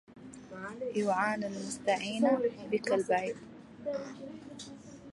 يعان المستعين بك البعيد